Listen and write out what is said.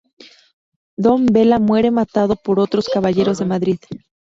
Don Bela muere, matado por otros caballeros de Madrid.